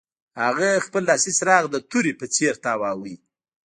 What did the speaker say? هغه خپل لاسي څراغ د تورې په څیر تاواوه